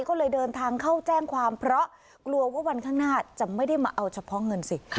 ก็เลยเดินทางเข้าแจ้งความเพราะกลัวว่าวันข้างหน้าจะไม่ได้มาเอาเฉพาะเงินสิ